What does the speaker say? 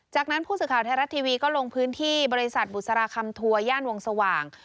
จากนั้นผู้สื่อข่าวไทยรัฐทีวีก็ลงพื้นที่บริษัทบุษราคำทัวร์ย่านวงสว่าง